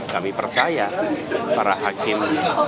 kami percaya para hakim